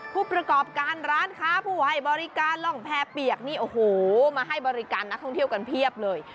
ผู้ประกอบการร้านค้าผู้ให้บริการร่องแพร่เปียกนี่โอ้โหมาให้บริการนักท่องเที่ยวกันเพียบเลย